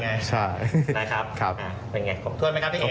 เป็นอย่างงี้ขอบคุณไหมครับนี่เอง